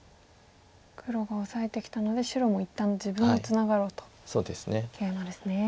黒がオサえてきたので白も一旦自分をツナがろうとケイマですね。